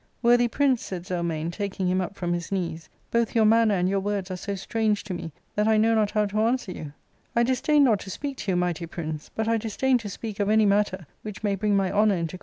" Worthy prince," said Zelmane, taking him up from his knees, " both your manner and your ^words are so strange to me that I know not how to answer you ; disdain not to speak to you, mighty prince, but I disdain to spa(ftk of any matter which may bring my honour into